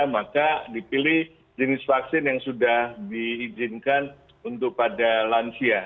maka dipilih jenis vaksin yang sudah diizinkan untuk pada lansia